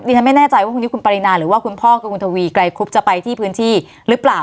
ฉันไม่แน่ใจว่าพรุ่งนี้คุณปรินาหรือว่าคุณพ่อกับคุณทวีไกรคุบจะไปที่พื้นที่หรือเปล่า